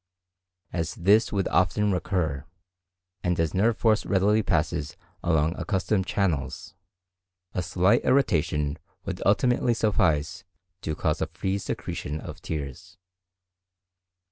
As this would often recur, and as nerve force readily passes along accustomed channels, a slight irritation would ultimately suffice to cause a free secretion of tears.